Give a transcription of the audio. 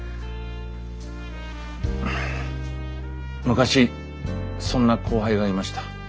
昔そんな後輩がいました。